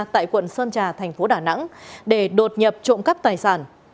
tại quận sơn trà thành phố đà nẵng để đột nhập trộm cắp tài sản